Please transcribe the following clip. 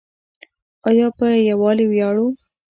آیا په یوالي ویاړو؟